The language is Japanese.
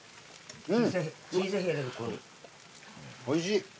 おいしい。